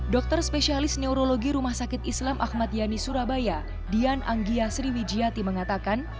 dokter spesialis neurologi rumah sakit islam ahmad yani surabaya dian anggia sriwijayati mengatakan